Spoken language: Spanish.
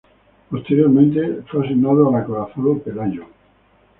Posteriormente fue asignado al acorazado "Pelayo".